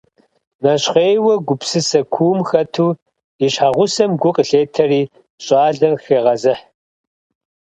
Нэщхъейуэ, гупсысэ куум хэту и щхьэгъусэм гу къылъетэри щӀалэр хегъэзыхь.